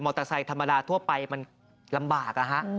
เตอร์ไซค์ธรรมดาทั่วไปมันลำบาก